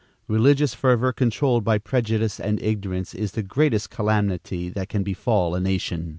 Religious fervor controlled by prejudice and ignorance is the greatest calamity that can befall a nation.